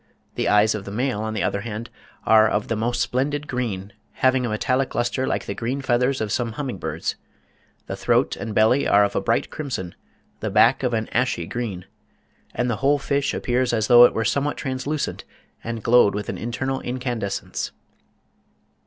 The eyes of the male, on the other hand, are "of the most splendid green, having a metallic lustre like the green feathers of some humming birds. The throat and belly are of a bright crimson, the back of an ashy green, and the whole fish appears as though it were somewhat translucent and glowed with an internal incandescence."